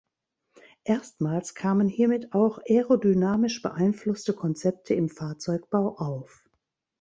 Erstmals kamen hiermit auch aerodynamisch beeinflusste Konzepte im Fahrzeugbau auf.